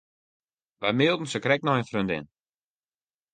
Wy mailden sakrekt nei in freondin.